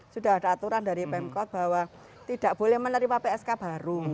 sudah ada aturan dari pemkot bahwa tidak boleh menerima psk baru